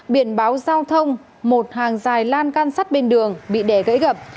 biển báo giao thông một hàng dài lan can sắt bên đường bị đẻ gãy gập